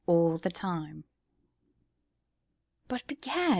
. all the time. ... But, begad!